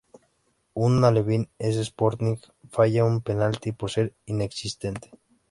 Un alevín del Sporting falla un penalti por ser inexistente